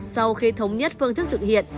sau khi thống nhất phương thức thực hiện